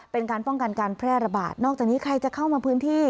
เป็นการป้องกันการแพร่ระบาดนอกจากนี้ใครจะเข้ามาพื้นที่